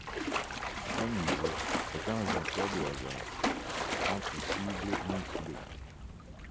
Un musée est un résultat de hasards, c'est un possible mutilé.